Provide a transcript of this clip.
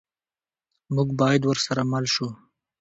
موږ باید ورسره مل شو.